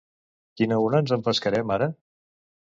Quina una ens empescarem ara?